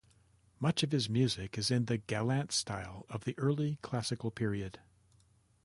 Much of his music is in the galant style of the early Classical period.